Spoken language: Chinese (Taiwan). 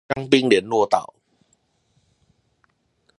彰濱聯絡道